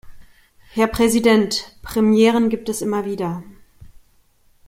Herr Präsident! Premieren gibt es immer wieder.